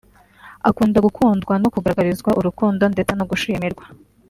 akunda gukundwa no kugaragarizwa urukundo ndetse no gushimirwa